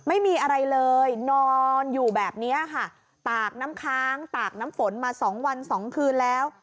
ไม่มีอะไรเลยนอนอยู่แบบนี้ค่ะตากน้ำค้างตากน้ำฝนมาสองวันสองคืนแล้ว